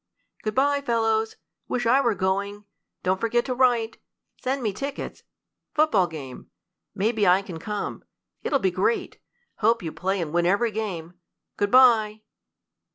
"Good bye, fellows wish I were going don't forget to write send me tickets football game maybe I can come it'll be great hope you play and win every game good bye!"